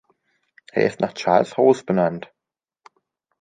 Er ist nach Charles Hose benannt.